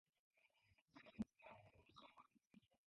The band was signed to Glenn Danzig's record label Evilive.